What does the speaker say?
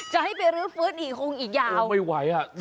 จะให้ไปรื้อฟื้นอีกคงอีกยาวไม่ไหวอ่ะ